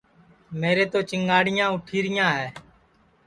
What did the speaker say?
میرے تِو چِنگاٹِؔیاں اُوٹھِیرِیاں ہے